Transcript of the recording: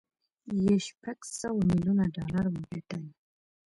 یې شپږ سوه ميليونه ډالر وګټل